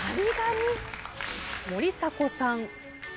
森迫さん。